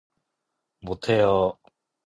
못 해요.